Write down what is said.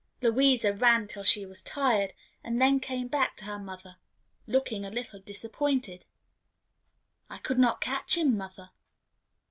Louisa ran till she was tired, and then came back to her mother, looking a little disappointed. "I could not catch him, mother."